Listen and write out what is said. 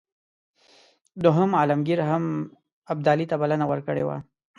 دوهم عالمګیر هم ابدالي ته بلنه ورکړې وه.